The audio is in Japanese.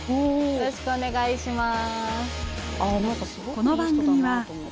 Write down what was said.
よろしくお願いします